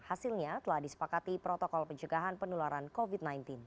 hasilnya telah disepakati protokol pencegahan penularan covid sembilan belas